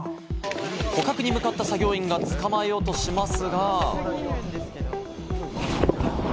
捕獲に向かった作業員が捕まえようとしますが。